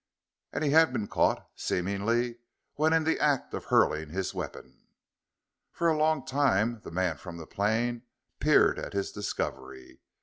And he had been caught, seemingly, when in the act of hurling his weapon. For a long time the man from the plane peered at his discovery.